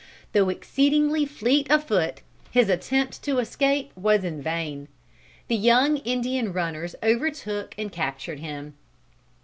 Though exceedingly fleet of foot, his attempt to escape was in vain. The young Indian runners overtook and captured him.